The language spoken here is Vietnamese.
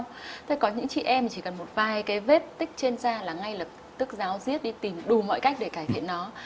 tôi thấy có những chị em chỉ cần một vài cái vết tích trên da là ngay lập tức giáo riết đi tìm đủ mọi cách để cải thiện nó